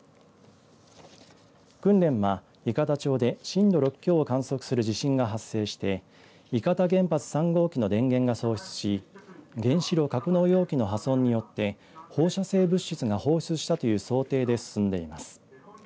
訓練は、伊方町で震度６強を観測する地震が発生して伊方原発３号機の電源が喪失し原子炉格納容器の破損によって放射性物質が放出したという想定で進んでいます。